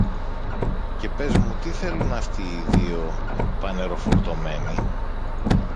και πες μου τι θέλουν αυτοί οι δυο πανεροφορτωμένοι.